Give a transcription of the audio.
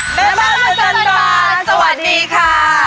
แม่บ้านวันจันทร์บ้านสวัสดีค่ะ